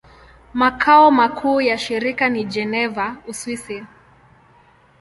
Makao makuu ya shirika ni Geneva, Uswisi.